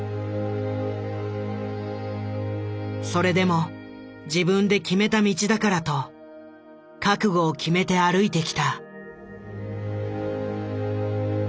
それでも自分で決めた道だからと覚悟を決めて歩いてきた。